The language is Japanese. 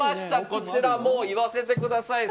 こちらも言わせてください。